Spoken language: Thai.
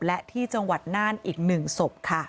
และที่จังหวัดน่านอีก๑ศพค่ะ